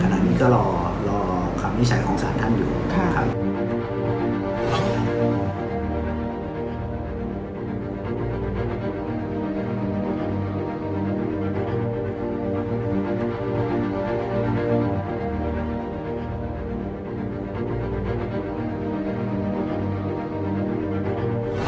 ขณะนี้ก็รอความวิชัยของสารท่านอยู่ครับ